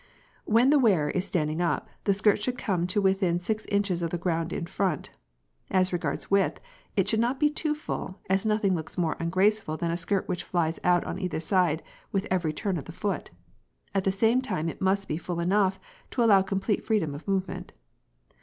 When the wearer is standing up, the skirt should come to within six inches of the ground in front. As regards width, it should not be too full, as nothing looks more ungraceful than a skirt which flies out on either side with every turn of the foot. At the same time it must be full enough to allow complete freedom of movement.